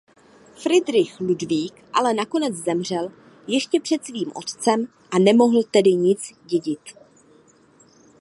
Fridrich Ludvík ale nakonec zemřel ještě před svým otcem a nemohl tedy nic dědit.